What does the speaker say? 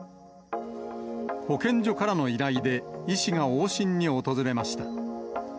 保健所からの依頼で、医師が往診に訪れました。